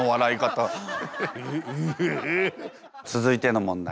続いての問題